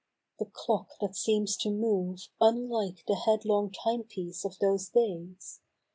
The clock, that seems to move Unlike the headlong time piece of those days.